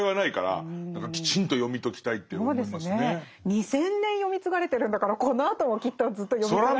２，０００年読み継がれてるんだからこのあともきっとずっと読み継がれますよね。